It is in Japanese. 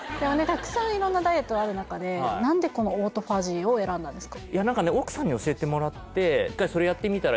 たくさん色んなダイエットがある中で何でこのオートファジーを選んだんですか？